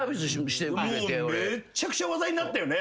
めちゃくちゃ話題になったよね。